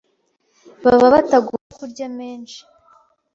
baba batagomba kurya menshi